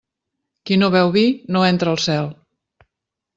Qui no beu vi no entra al cel.